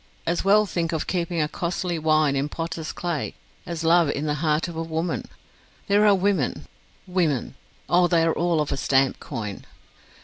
As well think of keeping a costly wine in potter's clay as love in the heart of a woman! There are women women! Oh, they are all of a stamp coin!